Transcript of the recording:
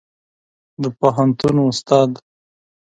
د پوهنتون استاد